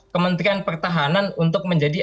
kementerian pertahanan untuk menjadi